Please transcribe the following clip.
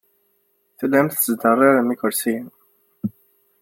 Tellam tettderrirem ikersiyen.